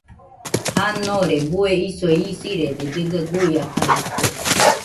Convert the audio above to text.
Janore bue isoi isɨrede dɨga guiakadɨkue.